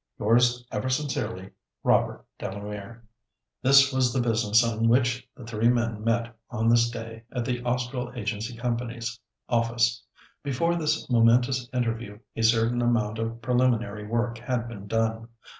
—Yours ever sincerely, "ROBERT DELAMERE." #/ This was the business on which the three men met on this day at the Austral Agency Company's office. Before this momentous interview a certain amount of preliminary work had been done.